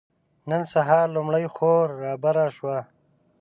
نن سهار لومړۍ خور رابره شوه.